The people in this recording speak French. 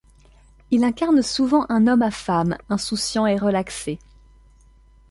Il incarne souvent un homme à femmes, insouciant et relaxé.